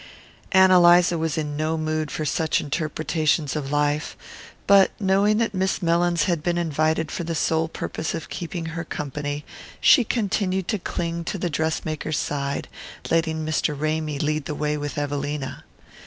Ann Eliza was in no mood for such interpretations of life; but, knowing that Miss Mellins had been invited for the sole purpose of keeping her company she continued to cling to the dress maker's side, letting Mr. Ramy lead the way with Evelina.